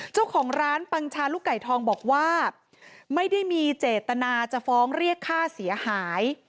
เจ้าของร้านปังชาลูกไก่ทองบอกว่าไม่ได้มีเจตนาจะฟ้องเรียกค่าเสียหาย